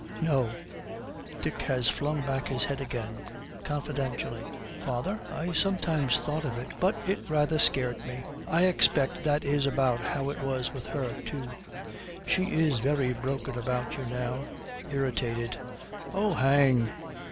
'No!' Dick has flung back his head again. Confidentially, 'Father, I sometimes thought of it, but it rather scared me! I expect that is about how it was with her, too.' 'She is very broken about you now.' Irritated, 'Oh, hang!'